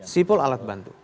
sipol alat bantu